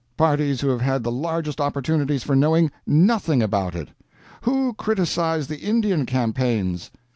Parties who have had the largest opportunities for knowing nothing about it. Who criticize the Indian campaigns?